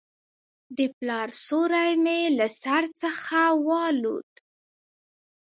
د پلار سیوری مې له سر څخه والوت.